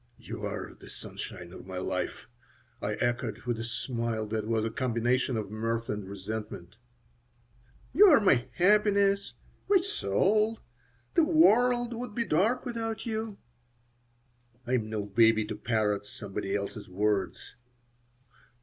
'" "'You are the sunshine of my life,'" I echoed, with a smile that was a combination of mirth and resentment "'You are my happiness, my soul. The world would be dark without you.'" "I am no baby to parrot somebody else's words."